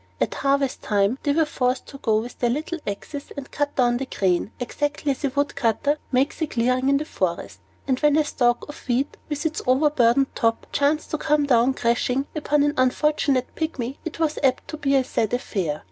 At harvest time, they were forced to go with their little axes and cut down the grain, exactly as a woodcutter makes a clearing in the forest; and when a stalk of wheat, with its overburdened top, chanced to come crashing down upon an unfortunate Pygmy, it was apt to be a very sad affair.